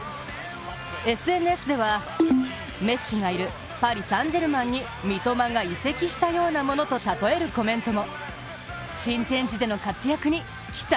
ＳＮＳでは、メッシがいるパリ・サン＝ジェルマンに三笘が移籍したようなものと例えるコメントも。